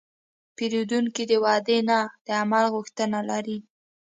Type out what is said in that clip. پیرودونکی د وعدې نه، د عمل غوښتنه لري.